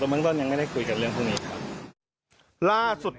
ตอนเมืองต้นยังไม่ได้คุยกับเรื่องคุณอีกครับ